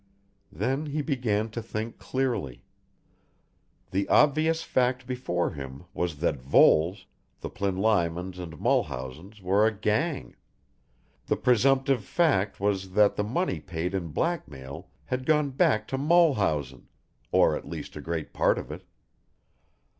Then he began to think clearly. The obvious fact before him was that Voles, the Plinlimons and Mulhausen were a gang; the presumptive fact was that the money paid in blackmail had gone back to Mulhausen, or at least a great part of it.